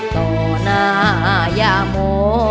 ต่อหน้ายาโม